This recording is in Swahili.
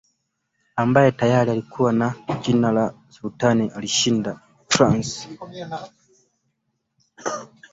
ambaye tayari alikuwa na jina la Sultan alishinda Thrace